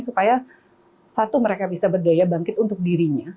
supaya satu mereka bisa berdaya bangkit untuk dirinya